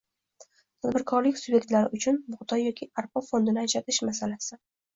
Tadbirkorlik sub’ektlari uchun bug’doy yoki arpa fondini ajratish masalasi